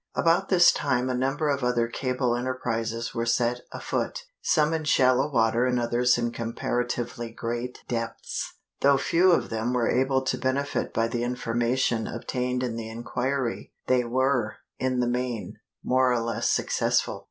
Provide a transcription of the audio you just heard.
_ About this time a number of other cable enterprises were set afoot, some in shallow water and others in comparatively great depths. Though few of them were able to benefit by the information obtained in the inquiry, they were, in the main, more or less successful.